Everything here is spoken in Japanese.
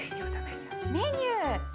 メニュー！